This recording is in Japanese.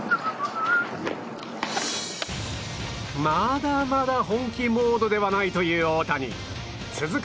まだまだ本気モードではないという大谷。